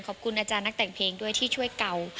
ขอบคุณอาจารย์นักแต่งเพลงด้วยที่ช่วยเก่า